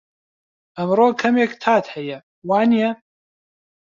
ئەمڕۆ کەمێک تات هەیە، وانییە؟